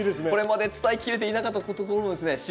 これまで伝えきれていなかったところもですね